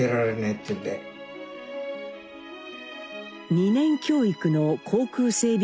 ２年教育の航空整備